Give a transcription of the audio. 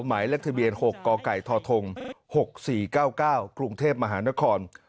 หมายเลขทะเบียน๖กกทธ๖๔๙๙กรุงเทพมหานคร